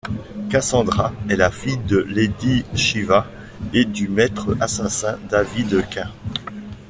Cassandra est la fille de Lady Shiva et du maître assassin David Cain.